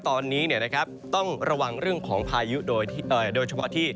ตอนนี้ต้องระวังเรื่องของพายุโดยเฉพาะที่